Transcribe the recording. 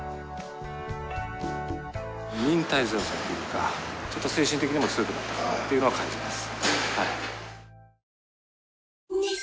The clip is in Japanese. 忍耐強さというかちょっと精神的にも強くなったかなっていうのは感じます。